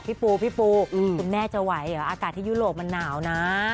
พี่ปูพี่ปูคุณแม่จะไหวเหรออากาศที่ยุโรปมันหนาวนะ